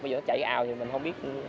bây giờ nó chạy ào thì mình không biết